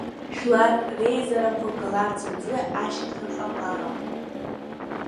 Жәлар реизарақәа ҟаларц азы ашьаҭа ҟамлароуп.